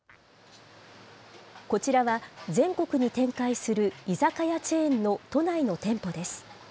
こちらは、全国に展開する居酒屋チェーンの都内の店舗です。